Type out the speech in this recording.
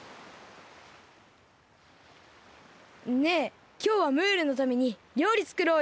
ねえきょうはムールのためにりょうりつくろうよ。